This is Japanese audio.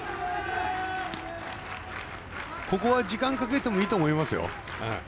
ここは時間かけてもいいと思いますよ。